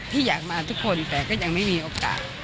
ที่อยากมาทุกคนแต่ก็ยังไม่มีโอกาส